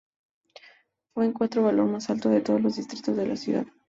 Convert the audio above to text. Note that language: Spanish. Fue el cuarto valor más bajo de todos los distritos de la ciudad.